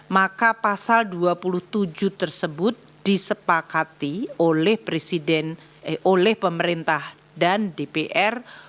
maka pasal dua puluh tujuh tersebut disepakati oleh presiden oleh pemerintah dan dpr